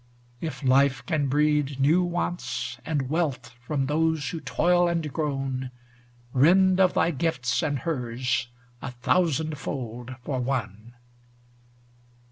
if Life can breed New wants, and wealth from those who toil and groan Rend of thy gifts and hers a thousand fold for one.